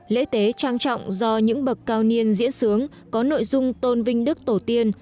lễ tế trang trọng do những bậc cao niên diễn sướng có nội dung tôn vinh đức tổ tiên